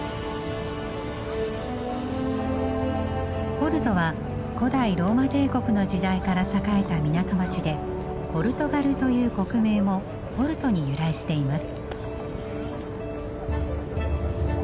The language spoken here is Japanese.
ポルトは古代ローマ帝国の時代から栄えた港町でポルトガルという国名もポルトに由来しています。